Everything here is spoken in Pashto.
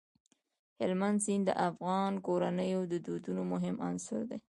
هلمند سیند د افغان کورنیو د دودونو مهم عنصر دی.